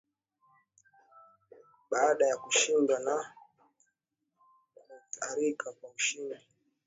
Baada ya kushindwa na Mutharika kwa ushindi mwembamba wakati wa uchaguzi wa mwaka uliopita